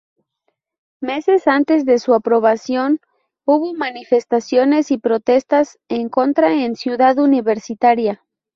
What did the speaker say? Meses antes de su aprobación hubo manifestaciones y protestas en contra en Ciudad Universitaria.